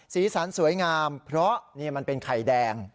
สีสันสวยงามเพราะนี่มันเป็นไข่แดง